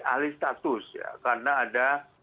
alih status karena ada